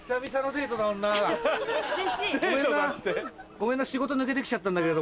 ごめんな仕事抜けてきちゃったんだけど。